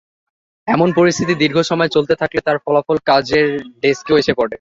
এমন পরিস্থিতি দীর্ঘসময় চলতে থাকলে তার ফলাফল কাজের ডেস্কেও এসে পড়ে।